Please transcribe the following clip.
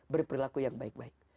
berperilaku yang baik baik